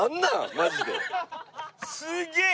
すげえ！